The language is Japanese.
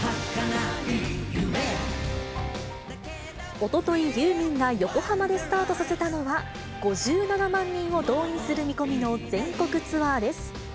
おととい、ユーミンが横浜でスタートさせたのは、５７万人を動員する見込みの全国ツアーです。